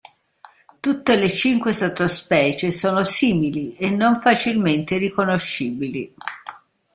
Tutte le cinque sottospecie sono simili e non facilmente riconoscibili.